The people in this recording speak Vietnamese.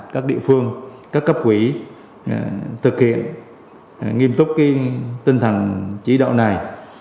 các địa phương các cấp quỹ thực hiện nghiêm túc tinh thần chỉ đạo này